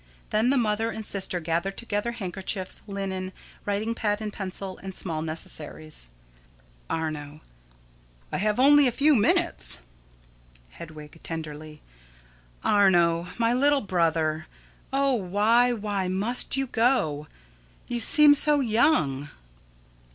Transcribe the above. Then the mother and sister gather together handkerchiefs, linen, writing pad and pencil, and small necessaries._] Arno: I have only a few minutes. Hedwig: [Tenderly.] Arno, my little brother, oh, why why must you go? You seem so young.